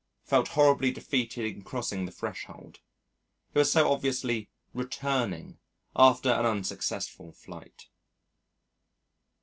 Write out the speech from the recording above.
Felt horribly defeated in crossing the threshold. It was so obviously returning after an unsuccessful flight.